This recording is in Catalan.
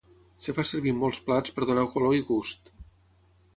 Es fa servir en molts plats per donar color i gust.